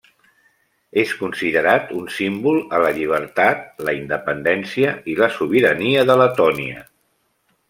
És considerat un símbol a la llibertat, la independència i la sobirania de Letònia.